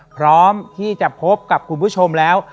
พร้อมที่จะพบกับคุณผู้ชมแล้ว